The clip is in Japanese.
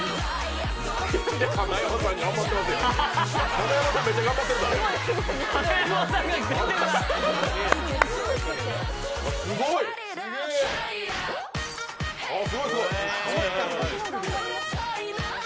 花山さん、めっちゃ頑張ってるぞ、あれ。